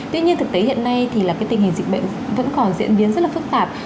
tuy nhiên thực tế hiện nay thì là cái tình hình dịch bệnh vẫn còn diễn biến rất là phức tạp